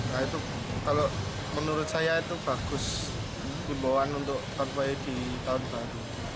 nah itu kalau menurut saya itu bagus imbauan untuk konvoy di tahun baru